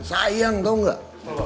sayang tau gak